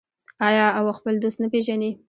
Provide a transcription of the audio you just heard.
آیا او خپل دوست نه پیژني؟